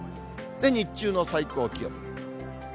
日中の最高気温。